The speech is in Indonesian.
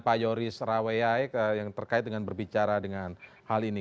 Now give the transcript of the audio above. pak yoris raweai yang terkait dengan berbicara dengan hal ini